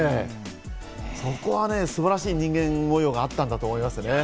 そこはね、素晴らしい人間模様があったと思いますね。